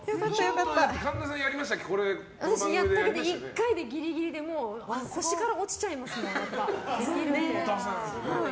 私、やりましたけど１回でギリギリで腰から落ちちゃいますもん。